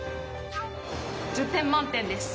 １０点満点です。